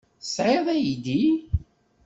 Tesɛiḍ aydi?